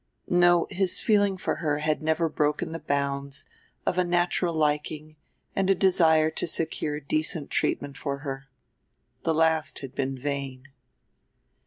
No, his feeling for her had never broken the bounds of a natural liking and a desire to secure decent treatment for her. The last had been vain.